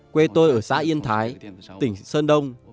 quê tôi ở xã yên thái tỉnh sơn đông